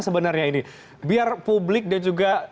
sebenarnya ini biar publik dan juga